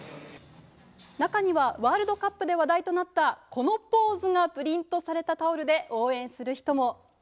中にはワールドカップで話題となったこのポーズがプリントされたタオルで応援する人も。